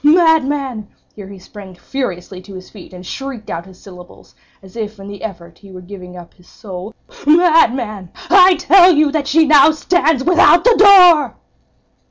Madman!"—here he sprang furiously to his feet, and shrieked out his syllables, as if in the effort he were giving up his soul—"_Madman! I tell you that she now stands without the door!